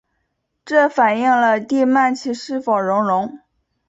这反映了地幔楔是否熔融。